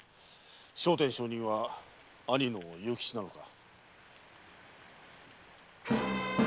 聖天上人は兄の勇吉なのか？